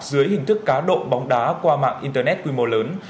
dưới hình thức cá độ bóng đá qua mạng internet quy mô lớn